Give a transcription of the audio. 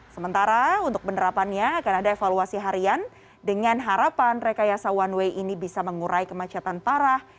sementara untuk penerapannya akan ada evaluasi harian dengan harapan rekayasa one way ini bisa mengurai kemacetan parah